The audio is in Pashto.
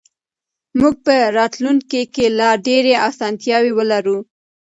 موږ به په راتلونکي کې لا ډېرې اسانتیاوې ولرو.